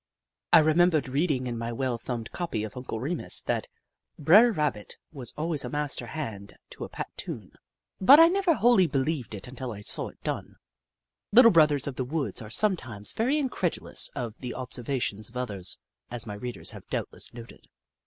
I remembered reading in my well thumbed copy of C/nc/e Remus that " Bre'r Rabbit was always a master hand to pat a tune," but 1 74 The Book of Clever Beasts I never wholly believed it until I saw it done. Little Brothers of the Woods are sometimes very incredulous of the observations of others, as my readers have doubtless noted.